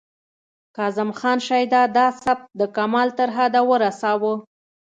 کاظم خان شیدا دا سبک د کمال تر حده ورساوه